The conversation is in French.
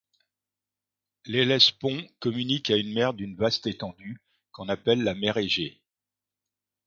L'Hellespont communique à une mer d'une vaste étendue, qu'on appelle la mer Égée.